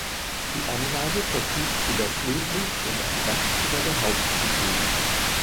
Die Anlage verfügt über Flutlicht und ein Dach über der Haupttribüne.